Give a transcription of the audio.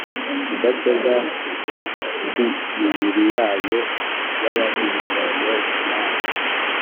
kudakebwa kw'imibiri yanyu, yabahinduranye nawe,